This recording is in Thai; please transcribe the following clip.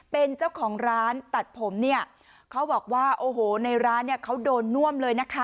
เป็นเจ้าของร้านตัดผมเนี่ยเขาบอกว่าโอ้โหในร้านเนี่ยเขาโดนน่วมเลยนะคะ